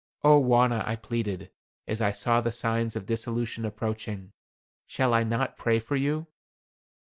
"Oh, Wauna," I pleaded, as I saw the signs of dissolution approaching, "shall I not pray for you?"